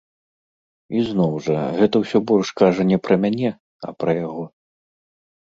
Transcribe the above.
Ізноў жа, гэта ўсё больш кажа не пра мяне, а пра яго.